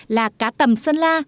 là cá tầm sơn la